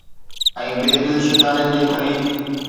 ۽ بي دل شڪارين جي خليج